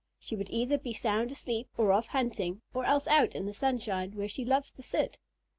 She would either be sound asleep, or off hunting, or else out in the sunshine, where she loves to sit."